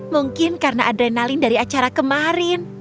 mungkin karena adrenalin dari acara kemarin